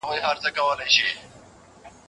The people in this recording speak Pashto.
ما به ويل دا به هم ما رنګه يار وي شړلى